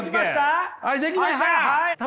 はい出来ました！